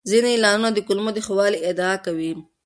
ځینې اعلانونه د کولمو د ښه والي ادعا کوي.